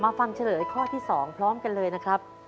มาฟังข้อเฉลยข้อที่สองพร้อมกันเลยนะครับ